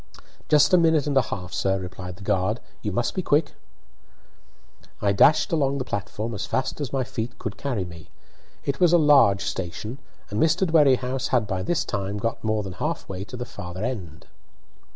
"Just a minute and a half, sir," replied the guard. "You must be quick." I dashed along the platform as fast as my feet could carry me. It was a large station, and Mr. Dwerrihouse had by this time got more than half way to the farther end.